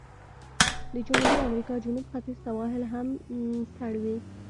د جنوبي امریکا جنوب ختیځ سواحل هم سړ وي.